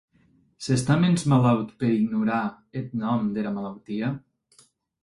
S’està mens malaut per ignorar eth nòm dera malautia?